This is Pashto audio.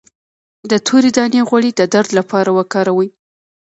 د تورې دانې غوړي د درد لپاره وکاروئ